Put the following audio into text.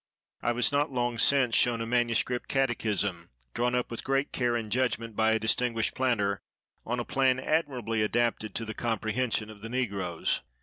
I was not long since shown a manuscript catechism, drawn up with great care and judgment by a distinguished planter, on a plan admirably adapted to the comprehension of the negroes.